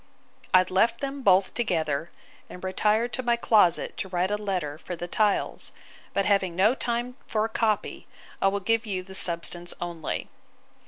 I left them both together, and retired to my closet to write a letter for the tiles; but having no time for a copy, I will give you the substance only.